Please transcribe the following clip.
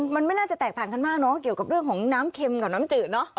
มันไม่น่าจะแตกต่างกันมากเนอะเกี่ยวกับเรื่องของน้ำเค็มกับน้ำจืดเนาะ